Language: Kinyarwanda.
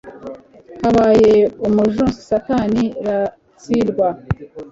habaye umjunsi satani ratsindwa